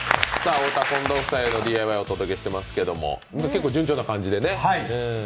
太田・近藤夫妻のＤＩＹをお届けしていますが結構順調な感じでね。